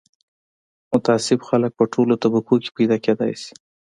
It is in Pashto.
متعصب خلک په ټولو طبقو کې پیدا کېدای شي